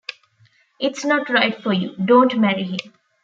It's not right for you, don't marry him.